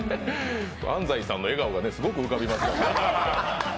安斉さんの笑顔がすごく目に浮かびますからね。